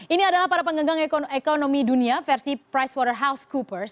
ini adalah para penggenggang ekonomi dunia versi pricewaterhousecoopers